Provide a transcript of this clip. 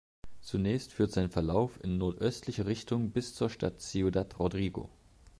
Zunächst führt sein Verlauf in nordöstliche Richtung bis zur Stadt Ciudad Rodrigo.